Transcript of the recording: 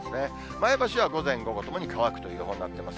前橋は午前、午後ともに乾くという予報になってます。